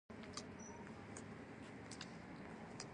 پنځو مشترکو فکټورونو پر اساس فعالیت کوي.